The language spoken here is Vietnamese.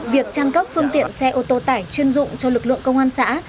việc trang cấp phương tiện xe ô tô tải chuyên dụng cho lực lượng công an xã